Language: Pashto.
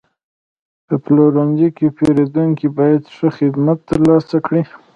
په پلورنځي کې پیرودونکي باید ښه خدمت ترلاسه کړي.